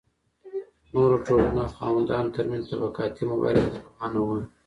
نورو ټولنو او خاوندانو ترمنځ طبقاتي مبارزه روانه وه.